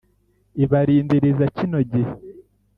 ibarindiriza kino gihe